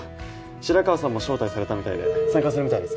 白川さんも招待されたみたいで参加するみたいです。